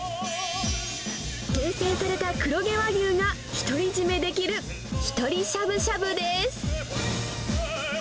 厳選された黒毛和牛が独り占めできるひとりしゃぶしゃぶです。